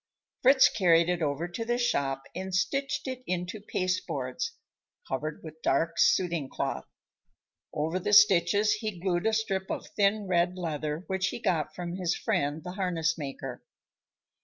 Fritz carried it over to the shop and stitched it into pasteboards, covered with dark suiting cloth. Over the stitches he glued a strip of thin red leather which he got from his friend, the harness maker.